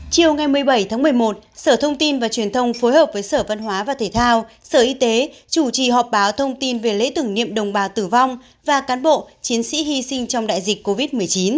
chiều ngày một mươi bảy tháng một mươi một sở thông tin và truyền thông phối hợp với sở văn hóa và thể thao sở y tế chủ trì họp báo thông tin về lễ tưởng niệm đồng bào tử vong và cán bộ chiến sĩ hy sinh trong đại dịch covid một mươi chín